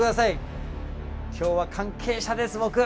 今日は関係者です僕！